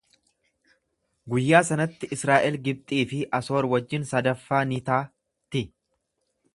Guyyaa sanatti Israa'el Gibxii fi Asoor wajjin sadaffaa ni ta'ti.